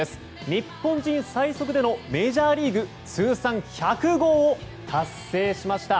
日本人最速でのメジャーリーグ通算１００号を達成しました。